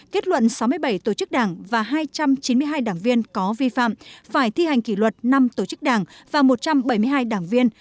kết luận sáu mươi bảy tổ chức đảng và hai trăm chín mươi hai đảng viên có vi phạm phải thi hành kỷ luật năm tổ chức đảng và một trăm bảy mươi hai đảng viên